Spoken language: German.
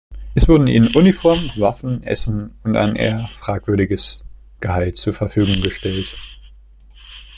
Es wurden ihnen Uniformen, Waffen, Essen und ein eher fragwürdiges Gehalt zur Verfügung gestellt.